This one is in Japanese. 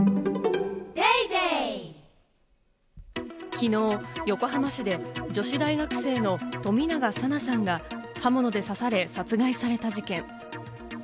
きのう、横浜市で女子大学生の冨永紗菜さんが刃物で刺され殺害された事件。